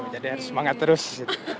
jadi harus semangat terus